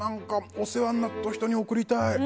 お世話になった人に贈りたい。